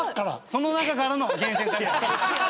その中からの厳選された。